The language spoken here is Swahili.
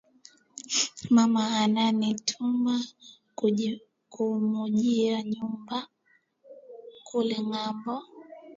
Mama anani tuma kumujia nyumba kule ngambo